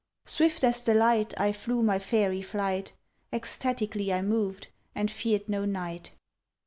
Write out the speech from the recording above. Swift as the light I flew my faery flight; Ecstatically I moved, and feared no night.